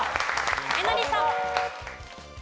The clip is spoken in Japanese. えなりさん。